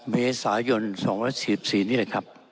เมษายน๒๔๔นี่แหละครับ